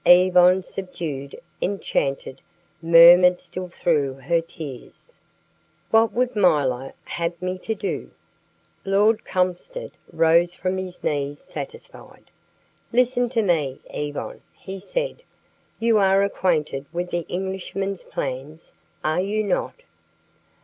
Yvonne, subdued, enchanted, murmured still through her tears: "What would milor have me do?" Lord Kulmsted rose from his knees satisfied. "Listen to me, Yvonne," he said. "You are acquainted with the Englishman's plans, are you not?"